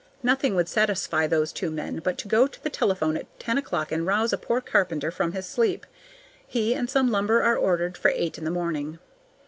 Nothing would satisfy those two men but to go to the telephone at ten o'clock and rouse a poor carpenter from his sleep. He and some lumber are ordered for eight in the morning.